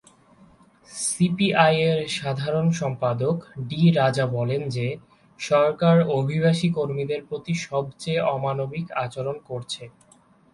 সিপিআইয়ের সাধারণ সম্পাদক ডি রাজা বলেন যে "সরকার অভিবাসী কর্মীদের প্রতি সবচেয়ে অমানবিক আচরণ করছে"।